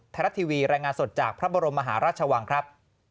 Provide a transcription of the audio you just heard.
รัฐทีวีรายงานสดจากพระบรมมหาราชวังครับ